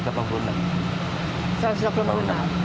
satu ratus delapan puluh enam kita masih satu ratus empat puluh lima